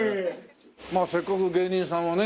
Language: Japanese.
まあせっかく芸人さんをね